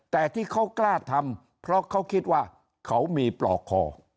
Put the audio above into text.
แต่ที่เขากล้าทำเพราะเขาคิดว่าเขามีปลอกคอ